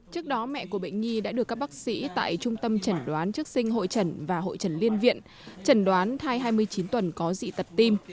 trước đó mẹ của bệnh nhi đã được các bác sĩ tại trung tâm chẩn đoán trước sinh hội trần và hội trần liên viện trần đoán thai hai mươi chín tuần có dị tật tim